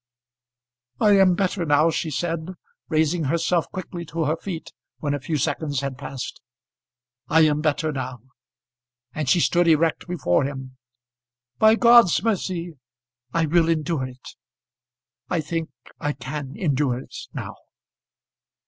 "I am better now," she said, raising herself quickly to her feet when a few seconds had passed. "I am better now," and she stood erect before him. "By God's mercy I will endure it; I think I can endure it now."